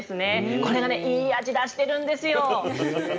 これがねいい味出してるんですよ。